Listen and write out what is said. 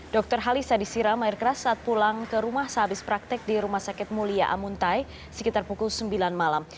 dokter halisa disiram air keras saat pulang ke rumah sehabis praktek di rumah sakit mulia amuntai sekitar pukul sembilan malam